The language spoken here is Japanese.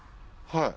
はい。